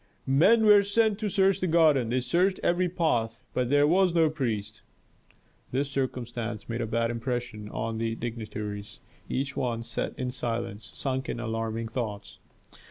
Men were sent to search the garden. They searched every path, but there was no priest. This circumstance made a bad impression on the dignitaries. Each one sat in silence, sunk in alarming thoughts.